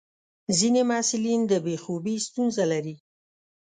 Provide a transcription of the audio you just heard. ځینې محصلین د بې خوبي ستونزه لري.